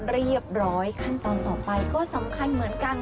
เรียบร้อยขั้นตอนต่อไปก็สำคัญเหมือนกัน